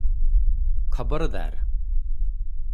ଖବରଦାର ।